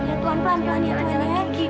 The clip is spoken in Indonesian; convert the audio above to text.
lihat tuhan tuhan lihat tuhan lagi